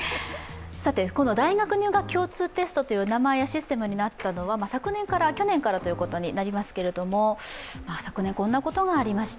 大学入学共通テストという名前、システムになったのは昨年からということになりますけれども、昨年、こんなことがありました。